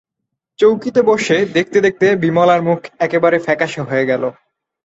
চৌকিতে বসে দেখতে দেখতে বিমলার মুখ একেবারে ফ্যাকাশে হয়ে গেল।